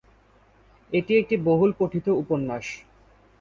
এটি একটি বহুল পঠিত উপন্যাস।